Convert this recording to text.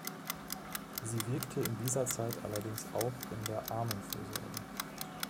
Sie wirkte in dieser Zeit allerdings auch in der Armenfürsorge.